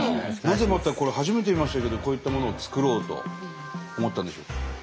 なぜまたこれ初めて見ましたけどこういったものを作ろうと思ったんでしょう？